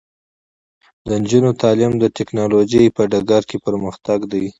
د نجونو تعلیم د ټیکنالوژۍ په ډګر کې پرمختګ دی.